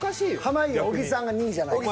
濱家小木さんが２位じゃないかと。